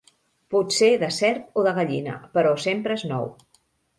Pot ser de serp o de gallina, però sempre és nou.